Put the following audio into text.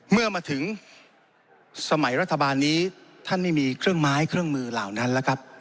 เมื่อมาถึงสมัยรัฐบาลนี้ท่านไม่มีเครื่องไม้เครื่องมือเหล่านั้นแล้วครับ